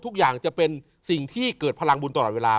ทุกอย่างจะเป็นสิ่งที่เกิดพลังบุญตลอดเวลา